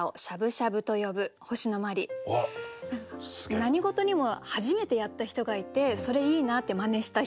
何事にも初めてやった人がいてそれいいなって真似した人。